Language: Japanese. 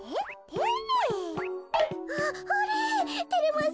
あっあれ？